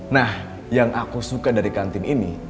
nah yang aku suka dari kantin ini